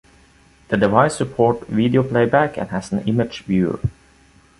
The device supports video playback and has an image viewer.